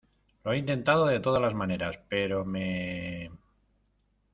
lo he intentado de todas las maneras, pero me...